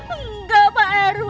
enggak pak rw